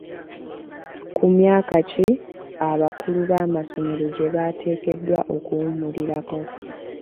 Ku myaka ki abakulu b'amasomero gye bateekeddwa okuwummulirako?